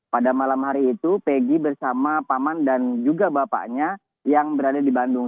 pada malam hari itu peggy bersama paman dan juga bapaknya yang berada di bandung